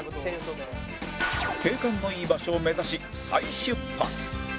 景観のいい場所を目指し再出発